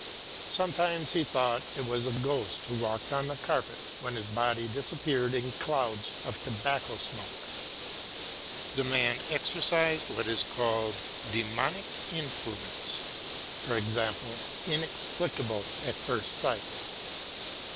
Sometimes he thought it was a ghost who walked on the carpet when his body disappeared in clouds of tobacco smoke. The man exercised what is called a "demonic" influence, i.e. inexplicable at first sight.